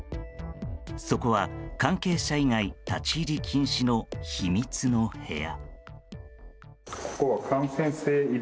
そこは関係者以外立ち入り禁止の秘密の部屋。